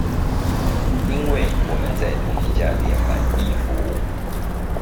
因為我們在同一家店買衣服